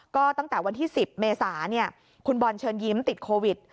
ก็ตั้งแต่วันที่๑๐เมษาคุณบอลเชิญยิ้มติดโควิด